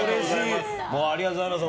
ありがとうございます。